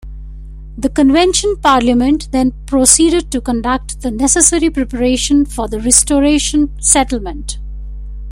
The Convention Parliament then proceeded to conduct the necessary preparation for the Restoration Settlement.